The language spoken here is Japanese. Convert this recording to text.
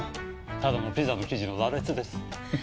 ただのピザの生地の羅列です。